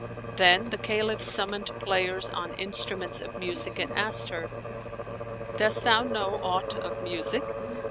Then the Caliph summoned players on instruments of music and asked her, "Dost thou know aught of music?"